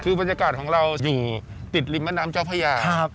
คือบรรยากาศของเราอยู่ติดริมแม่น้ำเจ้าพญา